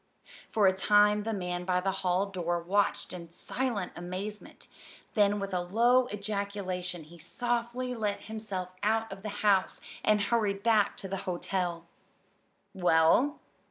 For a time the man by the hall door watched in silent amazement; then with a low ejaculation he softly let himself out of the house, and hurried back to the hotel. "Well?"